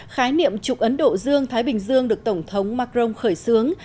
khái niệm trục ấn độ dương thái bình dương được tổng thống macron khởi xướng